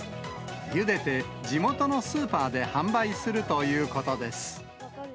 ゆでて地元のスーパーで販売するということです。